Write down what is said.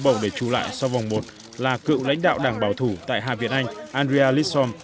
bầu để trù lại sau vòng một là cựu lãnh đạo đảng bảo thủ tại hạ viện anh andrea litsum